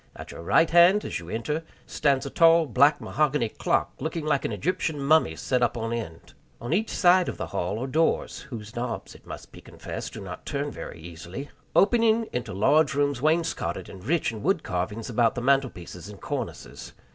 At your right band, as you enter, stands a tall black mahogany clock, looking like an Egyptian mummy set up on end. On each side of the hall are doors (whose knobs, it must be confessed, do not turn very easily), opening into large rooms wainscoted and rich in wood carvings about the mantel pieces and cornices.